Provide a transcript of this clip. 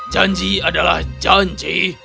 janji adalah janji